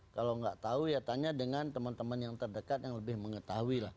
kalau nggak tahu ya tanya dengan teman teman yang terdekat yang lebih mengetahui lah